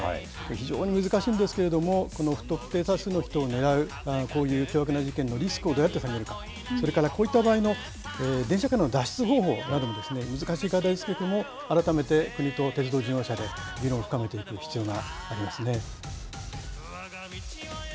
非常に難しいんですけども、この不特定多数の人を狙う、こういう凶悪な事件のリスクをどうやって止めるか、それからこういった場合の電車からの脱出方法なども難しい課題についても、改めて国と鉄道事業者で議論を深めていく必要がありま